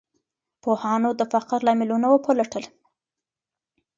پوهانو د فقر لاملونه وپلټل.